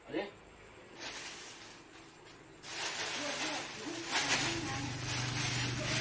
ได้แล้ว